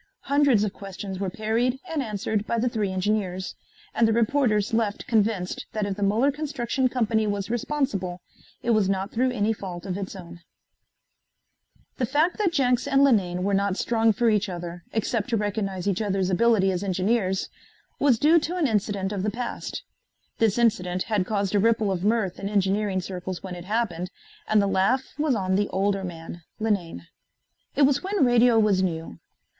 Hundreds of questions were parried and answered by the three engineers, and the reporters left convinced that if the Muller Construction Company was responsible, it was not through any fault of its own. The fact that Jenks and Linane were not strong for each other, except to recognize each other's ability as engineers, was due to an incident of the past. This incident had caused a ripple of mirth in engineering circles when it happened, and the laugh was on the older man, Linane. It was when radio was new.